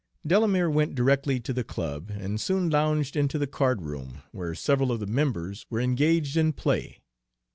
Delamere went directly to the club, and soon lounged into the card room, where several of the members were engaged in play.